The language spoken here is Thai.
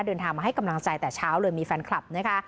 เดินทางมาให้กำลังใจแต่เช้าเลยมีแฟนคลับนะคะ